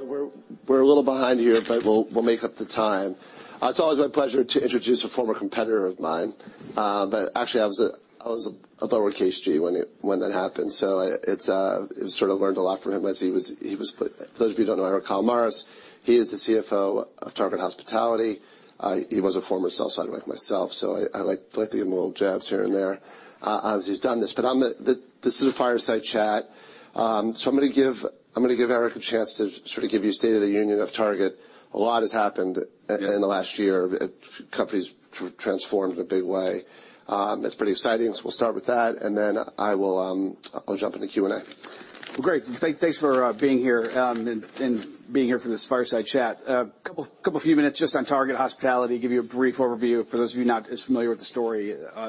We're, we're a little behind here, but we'll make up the time. It's always my pleasure to introduce a former competitor of mine. Actually, I was up at KCG when that happened, so I, it's, sort of learned a lot from him as he was. For those of you who don't know Eric T. Kalamaras, he is the CFO of Target Hospitality. He was a former sell side like myself, so I like to give him a little jabs here and there. Obviously, he's done this, but this is a fireside chat. I'm gonna give, I'm gonna give Eric a chance to sort of give you a State of the Union of Target. A lot has happened. Yeah. -in, in the last year. The company's transformed in a big way. It's pretty exciting. We'll start with that, and then I will, I'll jump into the Q&A. Well, great. Thanks for being here and being here for this fireside chat. A couple of few minutes just on Target Hospitality, give you a brief overview for those of you not as familiar with the story.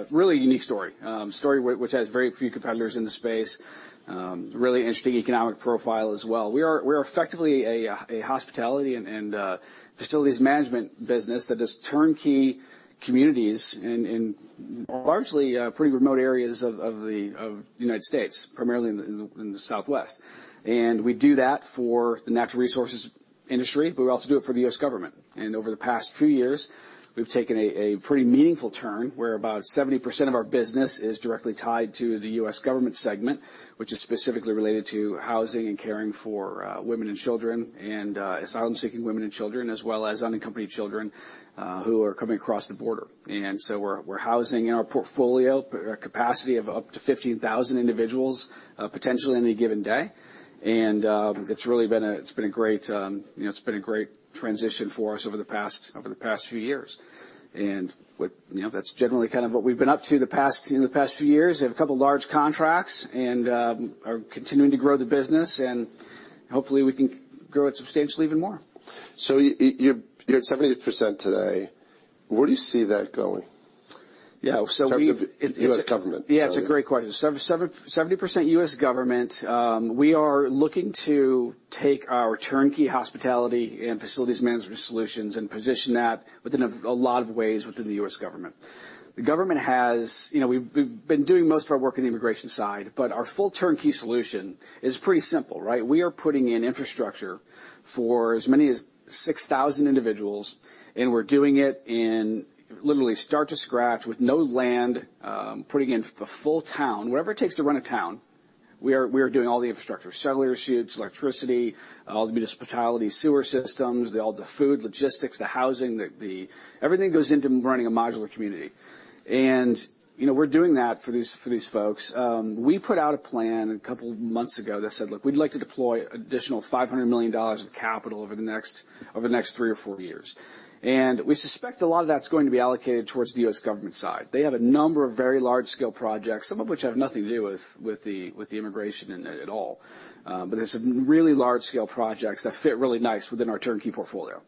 Really unique story. Story which has very few competitors in the space. Really interesting economic profile as well. We're effectively a hospitality and facilities management business that does turnkey communities in largely pretty remote areas of the United States, primarily in the Southwest. We do that for the natural resources industry, we also do it for the U.S. government. Over the past few years, we've taken a pretty meaningful turn, where about 70% of our business is directly tied to the U.S. government segment, which is specifically related to housing and caring for women and children, asylum-seeking women and children, as well as unaccompanied children who are coming across the border. We're housing in our portfolio, a capacity of up to 15,000 individuals potentially on any given day. It's really been a great, you know, it's been a great transition for us over the past few years. You know, that's generally kind of what we've been up to in the past few years. We have a couple of large contracts and, are continuing to grow the business, and hopefully we can grow it substantially even more. You're at 70% today. Where do you see that going? Yeah. In terms of the U.S. government. Yeah, it's a great question. 70% U.S. government, we are looking to take our turnkey hospitality and facilities management solutions and position that within a lot of ways within the U.S. government. You know, we've been doing most of our work in the immigration side, but our full turnkey solution is pretty simple, right? We are putting in infrastructure for as many as 6,000 individuals, and we're doing it in literally start to scratch with no land, putting in the full town, whatever it takes to run a town. We are doing all the infrastructure, sewage chutes, electricity, all the hospitality, sewer systems, all the food, logistics, the housing. Everything goes into running a modular community. You know, we're doing that for these folks. We put out a plan a couple of months ago that said, "Look, we'd like to deploy additional $500 million of capital over the next three or four years." We suspect a lot of that's going to be allocated towards the U.S. government side. They have a number of very large-scale projects, some of which have nothing to do with the immigration in it at all. There's some really large-scale projects that fit really nice within our turnkey portfolio.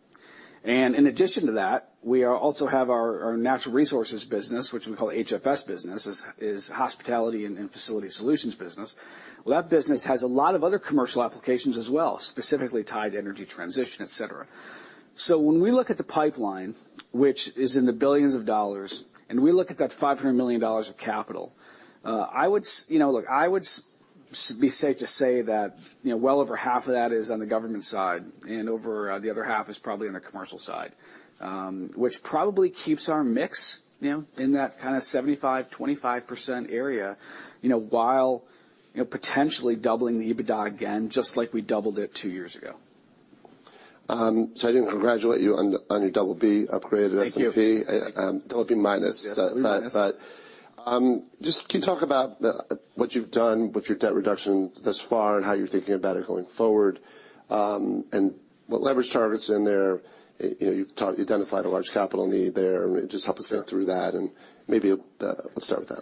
In addition to that, we also have our natural resources business, which we call HFS business, is hospitality and facility solutions business. That business has a lot of other commercial applications as well, specifically tied to energy transition, et cetera. When we look at the pipeline, which is in the billions of dollars, and we look at that $500 million of capital, I would be safe to say that, you know, well over half of that is on the government side, and the other half is probably on the commercial side. Which probably keeps our mix, you know, in that kinda 75%, 25% area, you know, while, you know, potentially doubling the EBITDA again, just like we doubled it two years ago. I didn't congratulate you on your double B upgraded S&P. Thank you. BB-. Yes, B minus. Just can you talk about the, what you've done with your debt reduction thus far, and how you're thinking about it going forward? What leverage targets in there, you know, identified a large capital need there. Help us think through that, and maybe, let's start with that.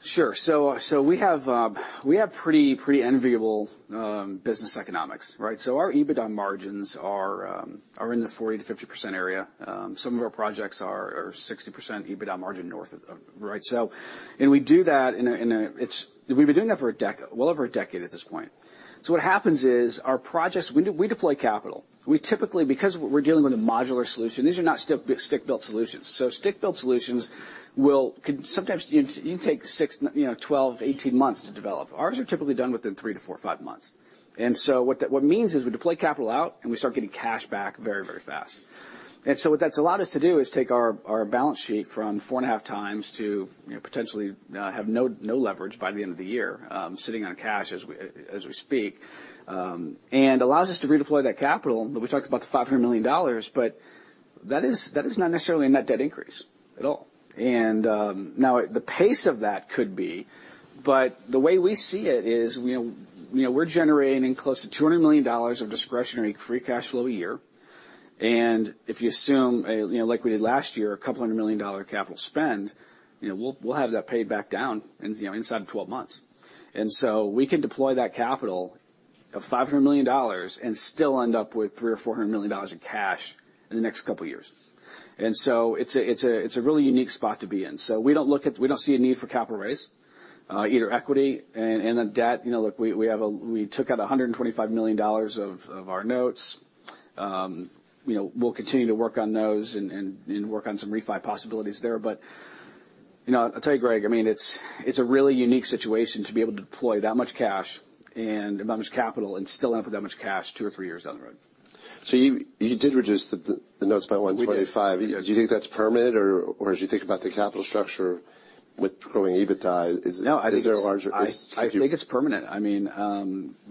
Sure. So we have pretty enviable business economics, right? Our EBITDA margins are in the 40%-50% area. Some of our projects are 60% EBITDA margin north of, right? We do that in a, we've been doing that for well over a decade at this point. What happens is, our projects, we deploy capital. We typically, because we're dealing with a modular solution, these are not stick-built solutions. Stick-built solutions will sometimes. You take six, you know, 12, 18 months to develop. Ours are typically done within 3-4 or 5 months. What that, what it means is we deploy capital out, and we start getting cash back very, very fast. What that's allowed us to do is take our balance sheet from 4.5 times to, you know, potentially, have no leverage by the end of the year, sitting on cash as we speak. Allows us to redeploy that capital, but we talked about the $500 million, but that is not necessarily a net debt increase at all. Now, the pace of that could be, but the way we see it is, you know, we're generating close to $200 million of Discretionary Cash Flow a year. If you assume, you know, like we did last year, a couple hundred million dollar capital spend, you know, we'll have that paid back down in, you know, inside of 12 months. We can deploy that capital of $500 million and still end up with $300 million or $400 million in cash in the next couple of years. It's a really unique spot to be in. We don't see a need for capital raise, either equity and the debt. You know, look, we took out $125 million of our notes. You know, we'll continue to work on those and work on some refi possibilities there. You know, I'll tell you, Greg, I mean, it's a really unique situation to be able to deploy that much cash and that much capital and still have that much cash two or three years down the road. you did reduce the notes by $125. We did. Do you think that's permanent, or as you think about the capital structure with growing EBITDA, is it? No. Is there a larger... I think it's permanent. I mean,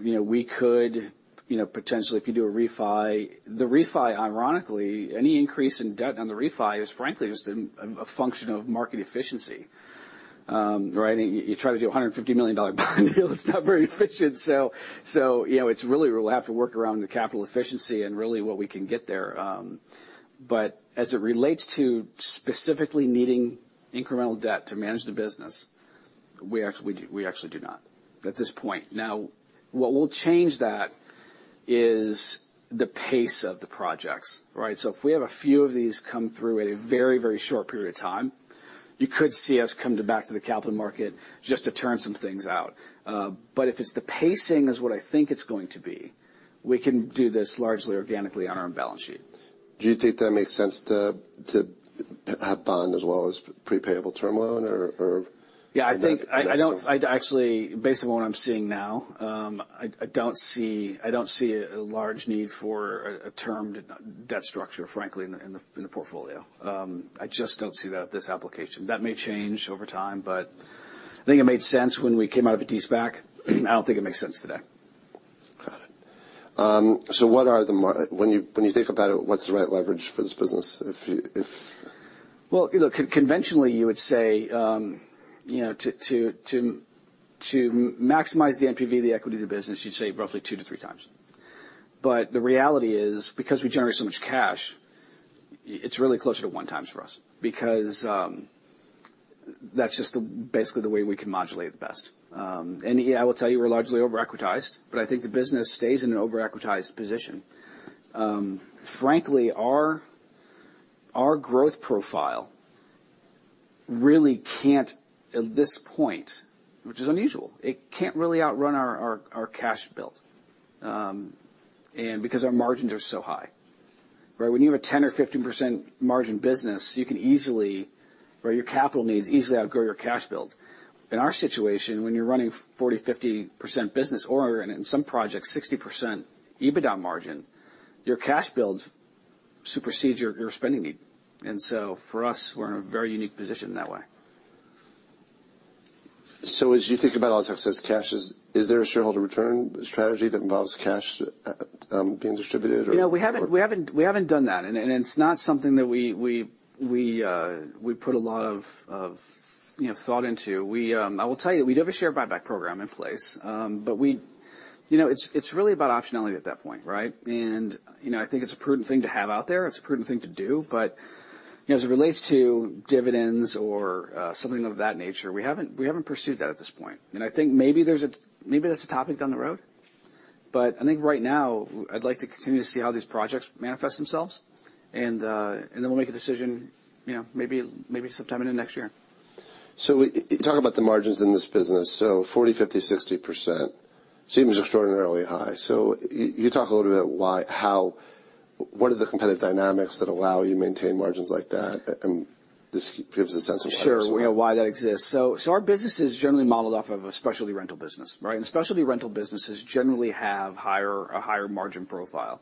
you know, we could, you know, potentially, if you do a refi. The refi, ironically, any increase in debt on the refi is frankly just a function of market efficiency, right? You try to do a $150 million bond deal, it's not very efficient. You know, it's really we'll have to work around the capital efficiency and really what we can get there. As it relates to specifically needing incremental debt to manage the business, we actually do not, at this point. What will change that is the pace of the projects, right? If we have a few of these come through at a very, very short period of time, you could see us come back to the capital market just to turn some things out. If it's the pacing is what I think it's going to be, we can do this largely organically on our own balance sheet. Do you think that makes sense to have bond as well as pre-payable term loan or? Yeah, I think- I know- I don't. I actually, based on what I'm seeing now, I don't see a large need for a termed debt structure, frankly, in the portfolio. I just don't see that this application. That may change over time, but I think it made sense when we came out of a de-SPAC. I don't think it makes sense today. Got it. What are the when you think about it, what's the right leverage for this business if you? Well, look, conventionally, you would say, you know, to maximize the NPV of the equity of the business, you'd say roughly two to three times. The reality is, because we generate so much cash, it's really closer to one times for us, because that's just the basically the way we can modulate the best. Yeah, I will tell you, we're largely over-equitized, but I think the business stays in an over-equitized position. Frankly, our growth profile really can't, at this point, which is unusual, it can't really outrun our cash build, and because our margins are so high, right? When you have a 10% or 15% margin business, you can easily, or your capital needs easily outgrow your cash build. In our situation, when you're running 40%, 50% business or in some projects, 60% EBITDA margin, your cash builds supersedes your spending need. For us, we're in a very unique position that way. As you think about all success cashes, is there a shareholder return strategy that involves cash, being distributed, or? You know, we haven't done that, and it's not something that we put a lot of, you know, thought into. We, I will tell you, we do have a share buyback program in place, but you know, it's really about optionality at that point, right? You know, I think it's a prudent thing to have out there. It's a prudent thing to do, but, you know, as it relates to dividends or something of that nature, we haven't pursued that at this point. I think maybe that's a topic down the road, but I think right now, I'd like to continue to see how these projects manifest themselves, and then we'll make a decision, you know, maybe sometime in the next year. You talk about the margins in this business. 40%, 50%, 60% seems extraordinarily high. You talk a little bit why, how, what are the competitive dynamics that allow you to maintain margins like that? This gives a sense of why that's- Sure. You know why that exists. Our business is generally modeled off of a specialty rental business, right? Specialty rental businesses generally have a higher margin profile.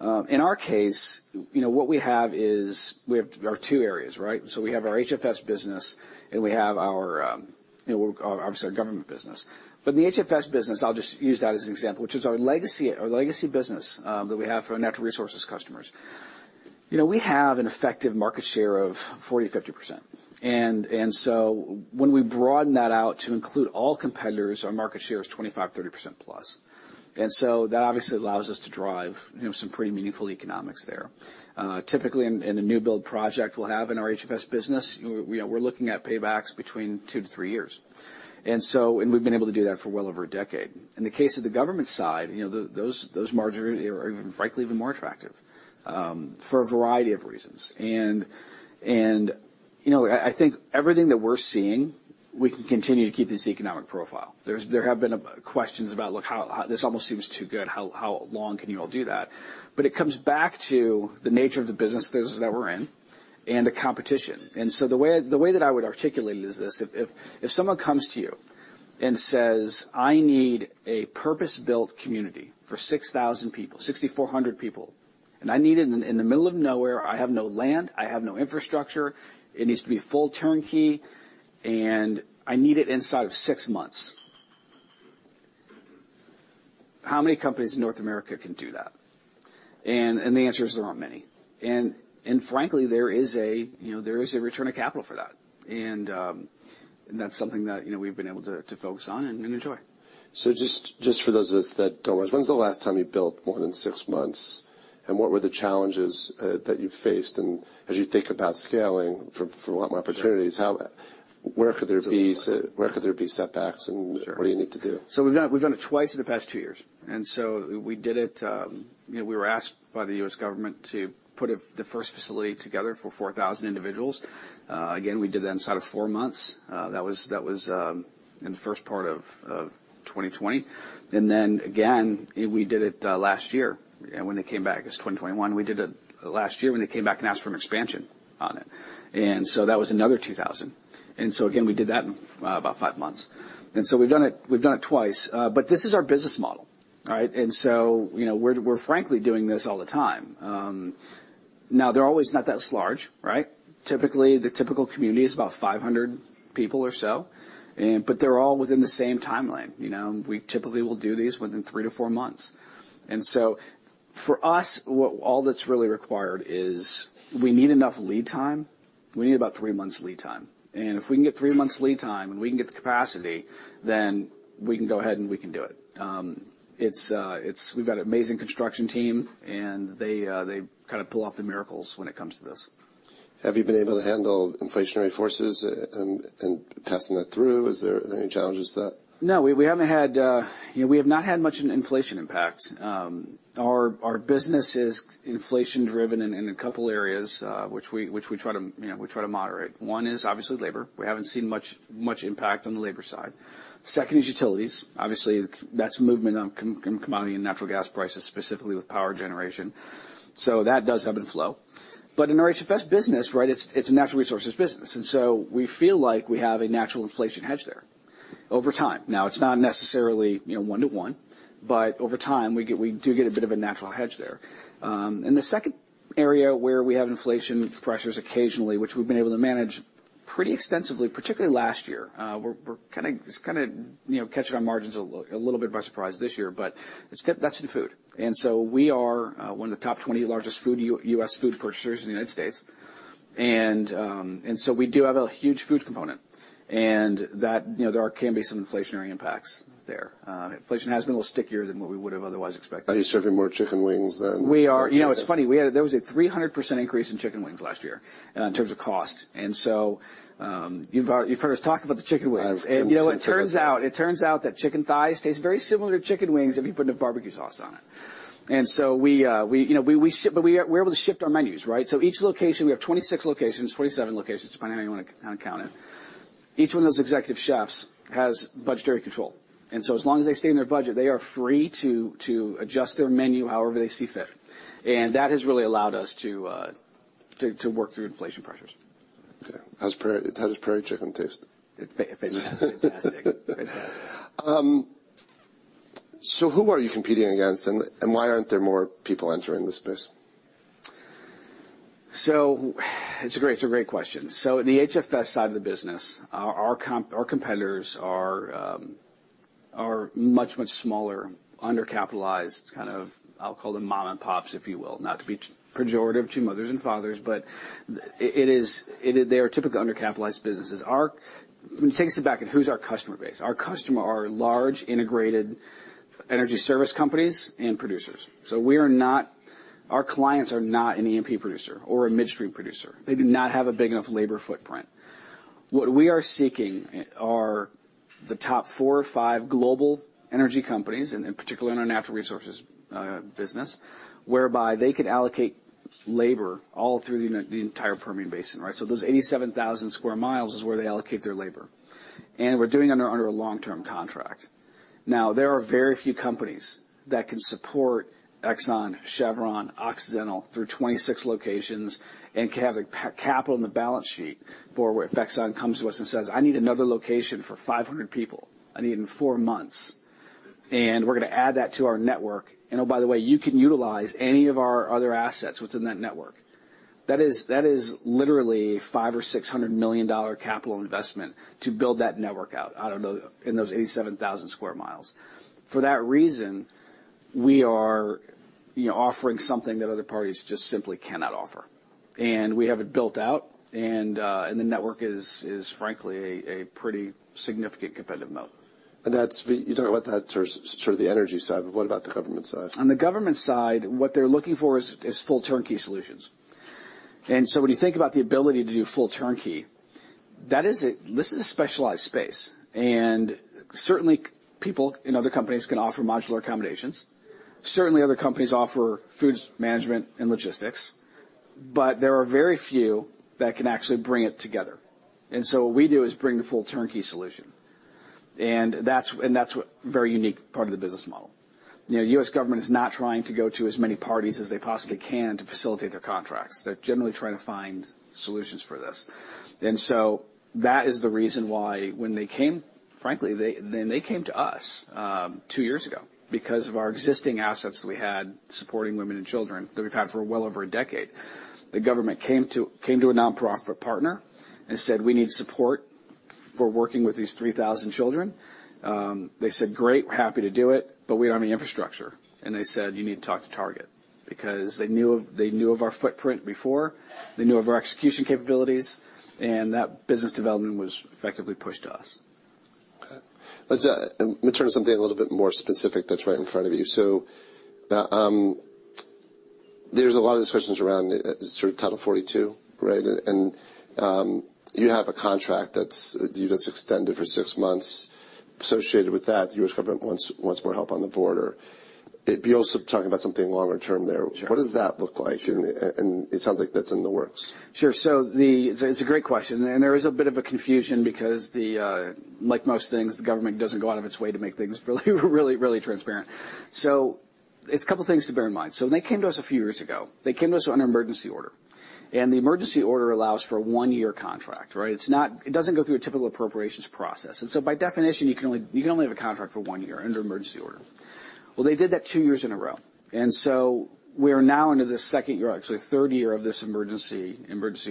In our case, you know, what we have is we have our two areas, right? We have our HFS business, and we have our, you know, obviously, our government business. The HFS business, I'll just use that as an example, which is our legacy business, that we have for our natural resources customers. You know, we have an effective market share of 40%-50%. When we broaden that out to include all competitors, our market share is 25%-30%+. That obviously allows us to drive, you know, some pretty meaningful economics there. Typically, in a new build project we'll have in our HFS business, we're looking at paybacks between 2-3 years. We've been able to do that for well over a decade. In the case of the government side, you know, those margins are frankly, even more attractive for a variety of reasons. You know, I think everything that we're seeing, we can continue to keep this economic profile. There have been questions about, look, how this almost seems too good, how long can you all do that? It comes back to the nature of the business that we're in and the competition. The way that I would articulate it is this: if someone comes to you and says, "I need a purpose-built community for 6,000 people, 6,400 people, and I need it in the middle of nowhere. I have no land, I have no infrastructure. It needs to be full turnkey, and I need it inside of 6 months." How many companies in North America can do that? The answer is, there aren't many. Frankly, there is a, you know, there is a return of capital for that. That's something that, you know, we've been able to focus on and enjoy. Just for those of us that don't know, when's the last time you built more than six months, and what were the challenges that you faced? As you think about scaling for a lot more opportunities, how, where could there be setbacks, and what do you need to do? We've done it twice in the past two years. We did it, you know, we were asked by the U.S. government to put a, the first facility together for 4,000 individuals. Again, we did that inside of four months. That was in the first part of 2020, again, we did it last year. When they came back, it's 2021. We did it last year when they came back and asked for an expansion on it, that was another 2,000. Again, we did that in about five months. We've done it twice. This is our business model, right? You know, we're frankly doing this all the time. Now, they're always not that large, right? Typically, the typical community is about 500 people or so, and but they're all within the same timeline. You know, we typically will do these within 3-4 months. For us, what all that's really required is we need enough lead time. We need about 3 months lead time, and if we can get three months lead time, and we can get the capacity, then we can go ahead, and we can do it. It's we've got an amazing construction team, and they kind of pull off the miracles when it comes to this. Have you been able to handle inflationary forces and passing that through? Is there any challenges to that? No, we haven't had, you know, we have not had much in inflation impact. Our, our business is inflation driven in a couple areas, which we, which we try to, you know, we try to moderate. One is obviously labor. We haven't seen much impact on the labor side. Second is utilities. Obviously, that's movement on commodity and natural gas prices, specifically with power generation. That does ebb and flow. In our HFS business, right, it's a natural resources business, we feel like we have a natural inflation hedge there over time. Now, it's not necessarily, you know, one to one, but over time, we do get a bit of a natural hedge there. The second area where we have inflation pressures occasionally, which we've been able to manage pretty extensively, particularly last year, we're kind of, it's kind of, you know, catching on margins a little bit by surprise this year. That's the food. We are one of the top 20 largest food U.S. food purchasers in the United States. We do have a huge food component, and that, you know, there can be some inflationary impacts there. Inflation has been a little stickier than what we would have otherwise expected. Are you serving more chicken wings then? We are. You know, it's funny, there was a 300% increase in chicken wings last year, in terms of cost. You've heard us talk about the chicken wings. I've- You know, it turns out that chicken thighs taste very similar to chicken wings if you put a barbecue sauce on it. We, you know, we ship, but we are, we're able to shift our menus, right? Each location, we have 26 locations, 27 locations, depending on how you wanna count it. Each one of those executive chefs has budgetary control. As long as they stay in their budget, they are free to adjust their menu however they see fit. That has really allowed us to work through inflation pressures. Okay. How does Prairie Chicken taste? It tastes fantastic. who are you competing against, and why aren't there more people entering this space? It's a great question. The HFS side of the business, our competitors are much smaller, undercapitalized, I'll call them mom-and-pops, if you will. Not to be pejorative to mothers and fathers, but it is, they are typically undercapitalized businesses. Take a step back, and who's our customer base? Our customer are large, integrated energy service companies and producers. Our clients are not an E&P producer or a midstream producer. They do not have a big enough labor footprint. What we are seeking are the top four or five global energy companies, and in particular in our natural resources business, whereby they could allocate labor all through the entire Permian Basin, right? Those 87,000 sq mi is where they allocate their labor, and we're doing it under a long-term contract. There are very few companies that can support ExxonMobil, Chevron, Occidental through 26 locations and can have the capital on the balance sheet for if ExxonMobil comes to us and says, "I need another location for 500 people. I need it in four months." We're gonna add that to our network, and oh, by the way, you can utilize any of our other assets within that network. That is literally $500 million-$600 million capital investment to build that network out of those, in those 87,000 sq mi. For that reason, we are, you know, offering something that other parties just simply cannot offer. We have it built out, and the network is frankly a pretty significant competitive moat. You talk about that sort of the energy side, but what about the government side? On the government side, what they're looking for is full turnkey solutions. When you think about the ability to do full turnkey, this is a specialized space, and certainly, people in other companies can offer modular accommodations. Certainly, other companies offer foods management and logistics, but there are very few that can actually bring it together. What we do is bring the full turnkey solution, and that's what very unique part of the business model. You know, U.S. government is not trying to go to as many parties as they possibly can to facilitate their contracts. They're generally trying to find solutions for this. That is the reason why when they came, frankly, they came to us, two years ago, because of our existing assets that we had supporting women and children, that we've had for well over a decade. The government came to a nonprofit partner and said, "We need support for working with these 3,000 children." They said, "Great, we're happy to do it, but we don't have any infrastructure." They said, "You need to talk to Target," because they knew of our footprint before. They knew of our execution capabilities, and that business development was effectively pushed to us. Let's let me turn to something a little bit more specific that's right in front of you. There's a lot of discussions around sort of Title 42, right? You have a contract that's, you just extended for six months. Associated with that, the U.S. government wants more help on the border. You're also talking about something longer term there. Sure. What does that look like? It sounds like that's in the works. Sure. It's a great question, and there is a bit of a confusion because the, like most things, the government doesn't go out of its way to make things really, really transparent. It's a couple of things to bear in mind. When they came to us a few years ago, they came to us on an emergency order, and the emergency order allows for a one-year contract, right? It doesn't go through a typical appropriations process. By definition, you can only have a contract for one year under emergency order. Well, they did that two years in a row, we are now into the second year, actually, the third year of this emergency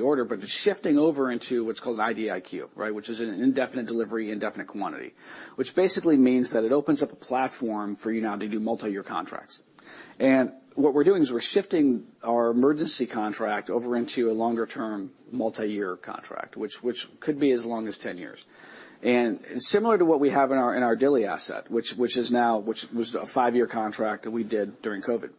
order, but it's shifting over into what's called an IDIQ, right? Which is an indefinite delivery, indefinite quantity, which basically means that it opens up a platform for you now to do multi-year contracts. What we're doing is we're shifting our emergency contract over into a longer-term, multi-year contract, which could be as long as 10 years. Similar to what we have in our Dilley asset, which is now, which was a 5-year contract that we did during COVID.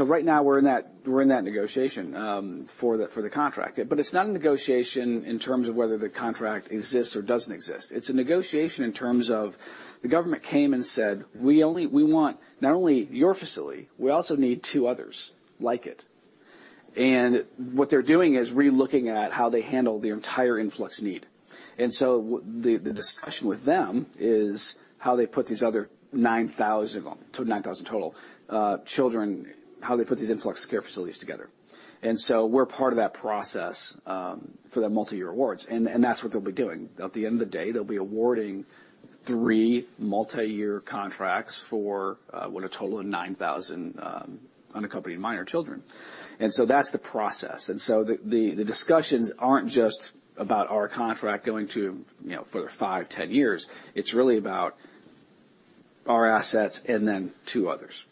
Right now, we're in that negotiation for the contract. It's not a negotiation in terms of whether the contract exists or doesn't exist. It's a negotiation in terms of the government came and said, "We want not only your facility, we also need 2 others like it." What they're doing is relooking at how they handle the entire influx need. The discussion with them is how they put these other 9,000, so 9,000 total children, how they put these Influx Care Facilities together. We're part of that process for their multi-year awards, and that's what they'll be doing. At the end of the day, they'll be awarding three multi-year contracts for a total of 9,000 unaccompanied minor children. That's the process. The discussions aren't just about our contract going to, you know, for five, 10 years. It's really about our assets and then two others.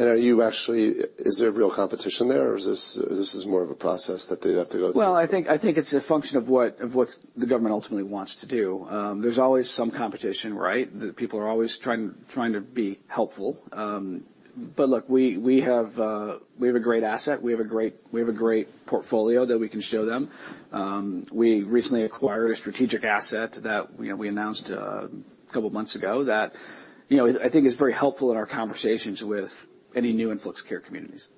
Is there real competition there, or is this more of a process that they have to go through? Well, I think it's a function of what the government ultimately wants to do. There's always some competition, right? The people are always trying to be helpful. Look, we have a great asset. We have a great portfolio that we can show them. We recently acquired a strategic asset that, you know, we announced a couple of months ago that, you know, I think is very helpful in our conversations with any new Influx Care communities.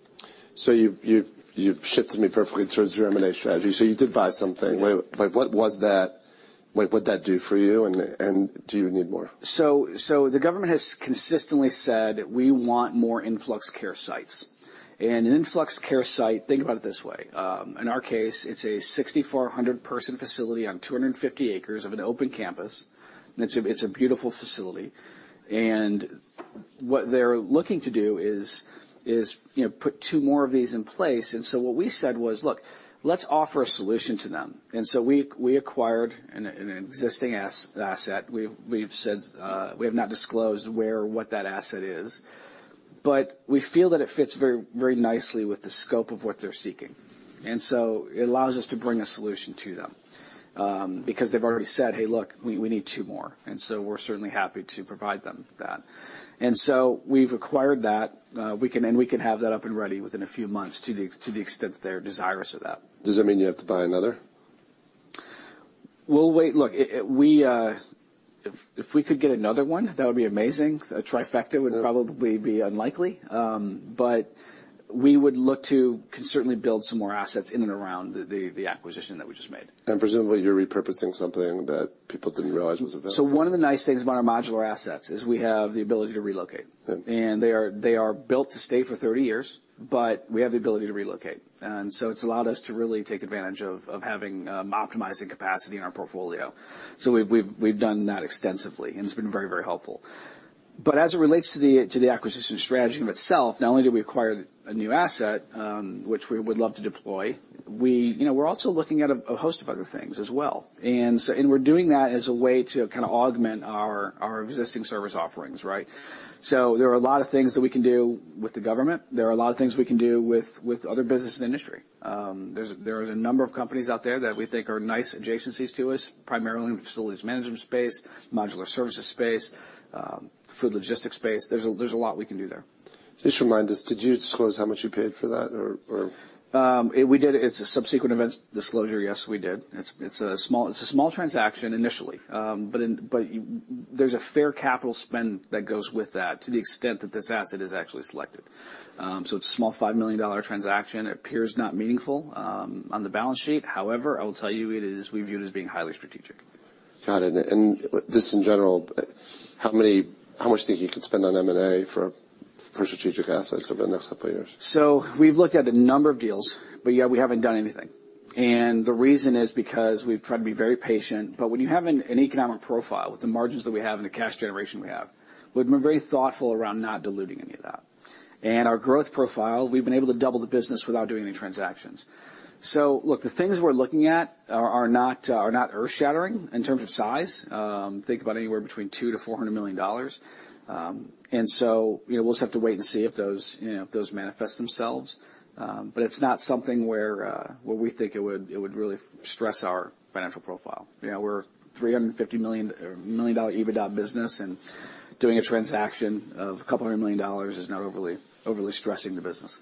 You shifted me perfectly towards your M&A strategy. You did buy something. Yeah. What was that? What that do for you, and do you need more? The government has consistently said, we want more Influx Care sites. An Influx Care site, think about it this way. In our case, it's a 6,400-person facility on 250 acres of an open campus, and it's a beautiful facility. What they're looking to do is, you know, put two more of these in place. What we said was, "Look, let's offer a solution to them." We acquired an existing asset. We've said, we have not disclosed where or what that asset is, but we feel that it fits very, very nicely with the scope of what they're seeking. It allows us to bring a solution to them, because they've already said, "Hey, look, we need two more." We're certainly happy to provide them that. We've acquired that, we can, and we can have that up and ready within a few months to the extent that they're desirous of that. Does that mean you have to buy another? We'll wait. Look, we, if we could get another one, that would be amazing. A trifecta. Yeah... would probably be unlikely. We would look to certainly build some more assets in and around the acquisition that we just made. Presumably, you're repurposing something that people didn't realize was available. One of the nice things about our modular assets is we have the ability to relocate. Good. They are built to stay for 30 years, but we have the ability to relocate, and so it's allowed us to really take advantage of, optimizing capacity in our portfolio. We've done that extensively, and it's been very, very helpful. As it relates to the acquisition strategy of itself, not only do we acquire a new asset, which we would love to deploy, we, you know, we're also looking at a host of other things as well. We're doing that as a way to kind of augment our existing service offerings, right? There are a lot of things that we can do with the government. There are a lot of things we can do with other businesses in industry. There is a number of companies out there that we think are nice adjacencies to us, primarily in the facilities management space, modular services space, food logistics space. There's a lot we can do there. Just remind us, did you disclose how much you paid for that or? We did. It's a subsequent events disclosure. Yes, we did. It's a small transaction initially, but there's a fair capital spend that goes with that to the extent that this asset is actually selected. It's a small $5 million transaction. It appears not meaningful, on the balance sheet. However, I will tell you, it is, we view it as being highly strategic. Got it. just in general, how much do you think you could spend on M&A for strategic assets over the next couple of years? We've looked at a number of deals, but yet we haven't done anything. The reason is because we've tried to be very patient. When you have an economic profile with the margins that we have and the cash generation we have, we've been very thoughtful around not diluting any of that. Our growth profile, we've been able to double the business without doing any transactions. Look, the things we're looking at are not earth-shattering in terms of size. Think about anywhere between $200 million-$400 million. You know, we'll just have to wait and see if those, you know, if those manifest themselves. It's not something where we think it would really stress our financial profile. You know, we're $350 million million-dollar EBITDA business, and doing a transaction of $200 million is not overly stressing the business.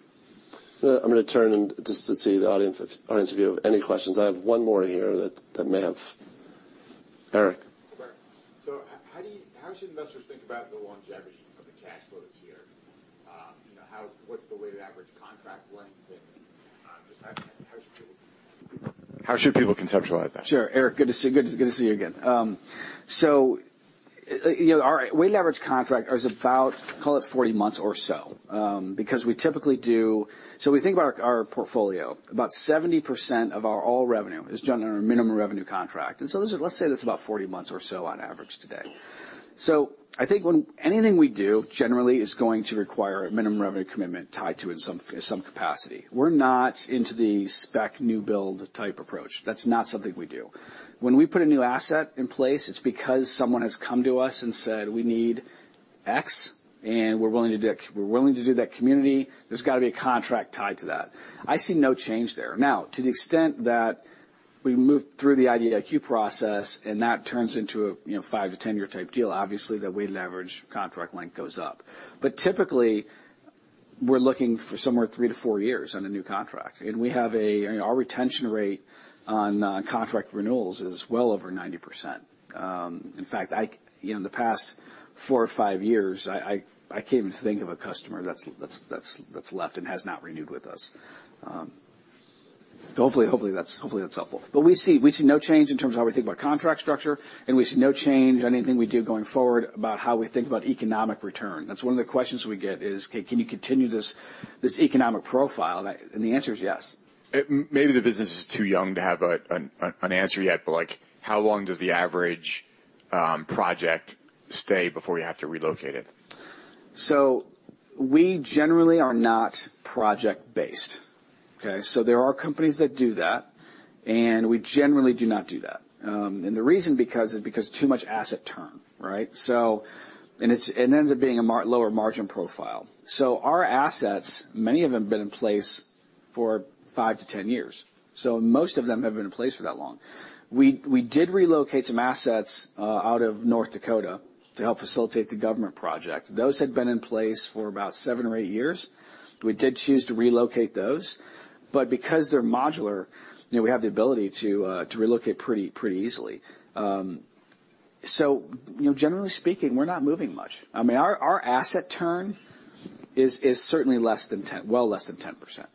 I'm gonna turn and just to see the audience, if you have any questions. I have one more here that. Eric? How should investors think about the longevity of the cash flows here? You know, what's the weighted average contract length, and just how should people conceptualize that? Sure. Eric, good to see you again. you know, our weight average contract is about, call it 40 months or so, because we typically do. We think about our portfolio, about 70% of our all revenue is done under a minimum revenue contract. Let's say that's about 40 months or so on average today. I think when anything we do generally is going to require a minimum revenue commitment tied to in some capacity. We're not into the spec new build type approach. That's not something we do. When we put a new asset in place, it's because someone has come to us and said, "We need X, and we're willing to do that community." There's got to be a contract tied to that. I see no change there. To the extent that we move through the IDIQ process, and that turns into a, you know, 5-10-year type deal, obviously, the weight leverage contract length goes up. Typically, we're looking for somewhere 3-4 years on a new contract, and we have a, our retention rate on contract renewals is well over 90%. In fact, I, you know, in the past four or five years, I can't even think of a customer that's left and has not renewed with us. So hopefully, that's helpful. We see no change in terms of how we think about contract structure, and we see no change, anything we do going forward about how we think about economic return. That's one of the questions we get is: Can you continue this economic profile? And the answer is yes. Maybe the business is too young to have an answer yet, but, like, how long does the average project stay before you have to relocate it? We generally are not project-based. Okay? There are companies that do that, and we generally do not do that. The reason because is because too much asset turn, right? It ends up being a lower margin profile. Our assets, many of them have been in place for 5-10 years, so most of them have been in place for that long. We did relocate some assets out of North Dakota to help facilitate the government project. Those had been in place for about seven or eight years. We did choose to relocate those, but because they're modular, you know, we have the ability to relocate pretty easily. You know, generally speaking, we're not moving much. I mean, our asset turn is certainly less than 10, well, less than 10%.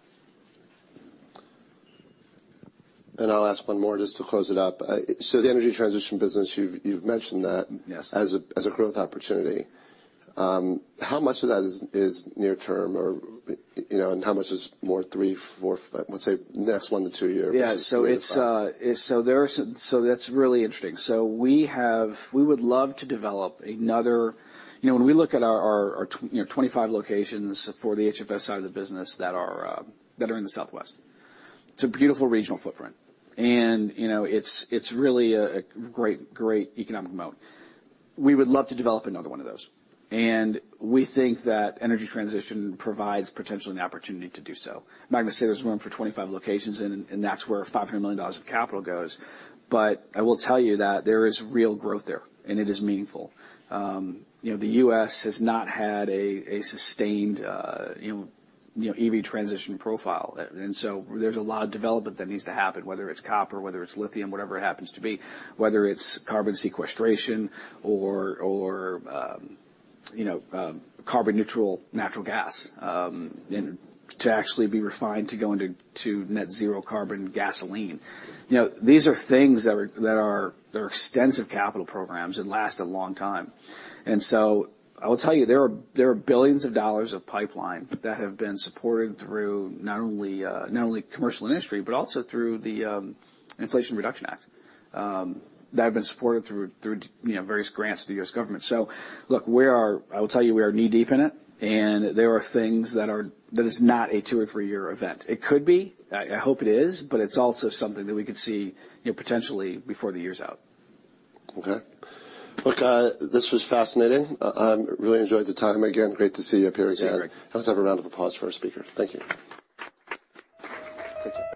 I'll ask one more just to close it up. The energy transition business, you've mentioned that- Yes. As a growth opportunity. How much of that is near term or, you know, and how much is more three, four, let's say, next 1-2 years? Yeah. That's really interesting. We would love to develop another. You know, when we look at our 25 locations for the HFS side of the business that are in the Southwest, it's a beautiful regional footprint. You know, it's really a great economic moat. We would love to develop another one of those. We think that energy transition provides potentially an opportunity to do so. I'm not going to say there's room for 25 locations, and that's where $500 million of capital goes. I will tell you that there is real growth there, and it is meaningful. You know, the U.S. has not had a sustained, you know, EV transition profile. There's a lot of development that needs to happen, whether it's copper, whether it's lithium, whatever it happens to be, whether it's carbon sequestration or, you know, carbon neutral natural gas, and to actually be refined to go into net zero carbon gasoline. You know, these are things that are, they're extensive capital programs and last a long time. I will tell you, there are billions of dollars of pipeline that have been supported through not only commercial and industry, but also through the Inflation Reduction Act that have been supported through, you know, various grants to the U.S. government. Look, we are, I will tell you, we are knee-deep in it, and there are things that is not a two or three-year event. It could be. I hope it is, but it's also something that we could see, you know, potentially before the year's out. Okay. Look, this was fascinating. Really enjoyed the time. Great to see you up here, Eric. Yeah, Eric. Let's have a round of applause for our speaker. Thank you. Thank you.